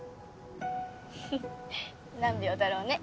何秒だろうね